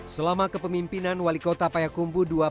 selama kepemimpinan wali kota payakumbuh dua periode riza falefi